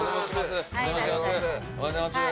おはようございます。